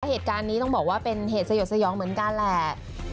เหตุการณ์นี้ต้องบอกว่าเป็นเหตุสยดสยองเหมือนกันแหละ